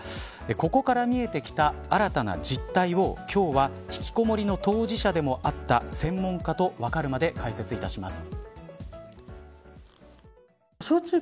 ここから見えてきた新たな実態を今日はひきこもりな当事者でもあった専門家とわかるまで解説いたします。